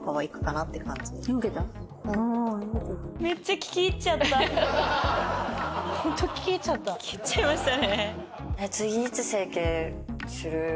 聞き入っちゃいましたね。